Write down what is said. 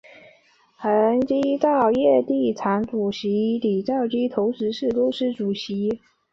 恒基兆业地产主席李兆基同时是公司主席。